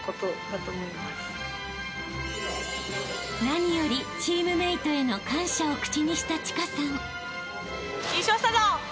［何よりチームメートへの感謝を口にした千佳さん］